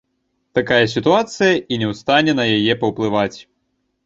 Такая сітуацыя, і не ў стане на яе паўплываць.